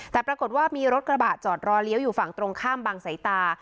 แต่ปรากฏว่ามีรถกระบะจอดรอเลี้ยวอยู่ฝั่งตรงข้ามบางสายตา